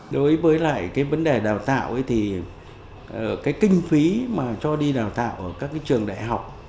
đối với lại cái vấn đề đào tạo thì cái kinh phí mà cho đi đào tạo ở các cái trường đại học